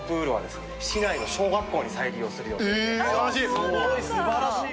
すごい素晴らしい！